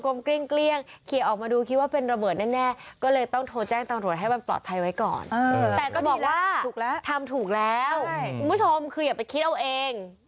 แต่ก็บอกว่าทำถูกแล้วคุณผู้ชมคืออย่าไปคิดเอาเอง